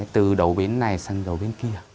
từ đầu bến này sang đầu bến kia